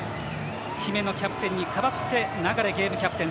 姫野キャプテンに代わって流ゲームキャプテン。